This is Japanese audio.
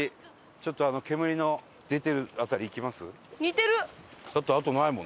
ちょっと煙の出てる辺り行きます？